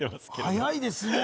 早いですね。